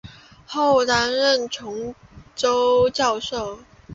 后担任琼州教授。